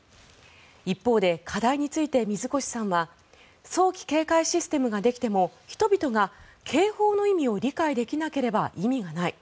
一方で課題について水越さんは早期警戒システムができても人々が警報の意味を理解できなければ意味がない。